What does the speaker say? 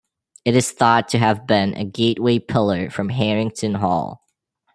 It is thought to have been a gateway pillar from Harrington Hall.